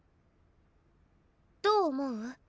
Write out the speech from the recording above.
⁉どう思う？